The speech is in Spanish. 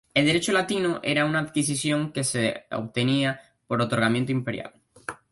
El derecho latino era una adquisición que se obtenía por otorgamiento imperial.